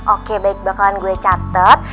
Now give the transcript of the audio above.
oke baik bakalan gue catet